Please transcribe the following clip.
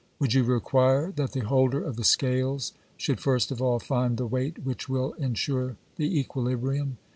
Would you require that the holder of the scales should first of all find the weight which will insure the equilibrium?